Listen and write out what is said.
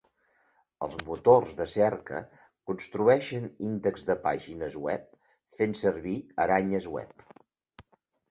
Els motors de cerca construeixen índexs de pàgines web fent servir aranyes web.